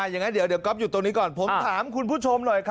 อย่างนั้นเดี๋ยวก๊อฟอยู่ตรงนี้ก่อนผมถามคุณผู้ชมหน่อยครับ